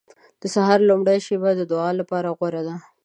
• د سهار لومړۍ شېبه د دعا لپاره غوره ده.